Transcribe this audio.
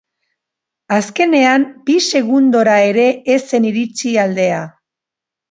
Azkenean bi segundura ere ez zen iritsi aldea.